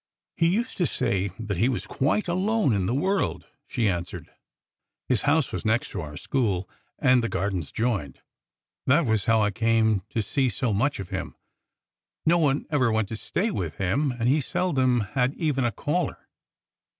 "He used to say that he was quite alone in the world," she answered. "His house was next to our school, and the gardens joined; that was how I came to see so much of him. No one ever went to stay with him, and he seldom had even a caller."